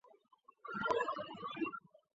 缩梗乌头为毛茛科乌头属下的一个种。